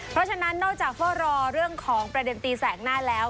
เพราะฉะนั้นนอกจากเฝ้ารอเรื่องของประเด็นตีแสกหน้าแล้ว